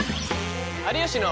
「有吉の」。